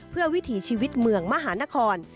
เพื่อวิถีชีวิตเมืองมหานคร